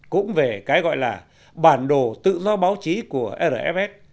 cũng về cái gọi là bản đồ tự do báo chí của rf